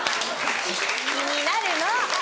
気になるの。